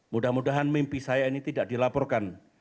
mudah mudahan mimpi saya ini tidak dilaporkan